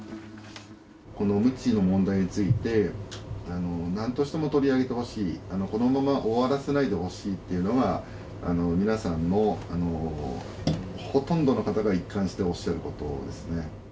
このむちの問題について、なんとしても取り上げてほしい、このまま終わらせないでほしいというのが、皆さんの、ほとんどの方が一貫しておっしゃることですね。